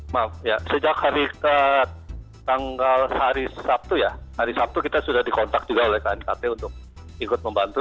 maaf ya sejak hari tanggal hari sabtu ya hari sabtu kita sudah dikontak juga oleh knkt untuk ikut membantu